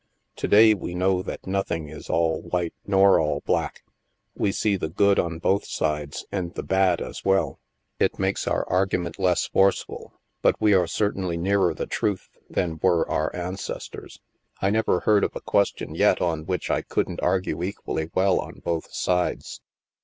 To day, we know that* nothing is all white nor all black; we see the good on both sides, and the bad as well. It makes our argument less forceful, but we are certainly nearer the truth than were our an STILL WATERS 79 cestors. I never heard of a question yet on which I couldn't argue equally well on both sides."